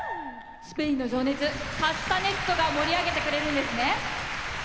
スペインの情熱カスタネットが盛り上げてくれるんですね。